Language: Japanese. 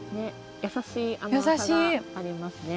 優しい甘さがありますね。